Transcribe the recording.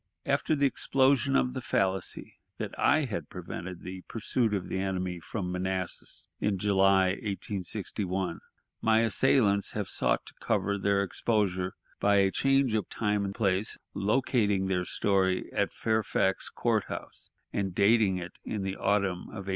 After the explosion of the fallacy that I had prevented the pursuit of the enemy from Manassas in July, 1861, my assailants have sought to cover their exposure by a change of time and place, locating their story at Fairfax Court House, and dating it in the autumn of 1861.